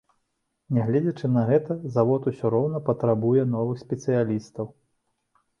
Нягледзячы на гэта, завод усё роўна патрабуе новых спецыялістаў.